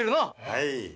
はい。